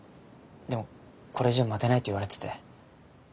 でもこれ以上待てないって言われてて。